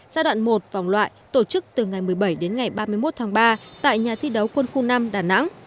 giai đoạn một vòng loại tổ chức từ ngày một mươi bảy đến ngày ba mươi một tháng ba tại nhà thi đấu quân khu năm đà nẵng